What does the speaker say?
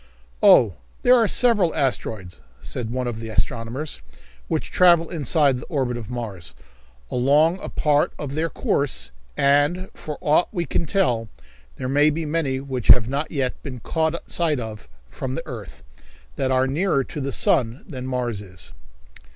"Oh, there are several asteroids," said one of the astronomers, "which travel inside the orbit of Mars, along a part of their course, and, for aught we can tell, there may be many which have not yet been caught sight of from the earth, that are nearer to the sun than Mars is."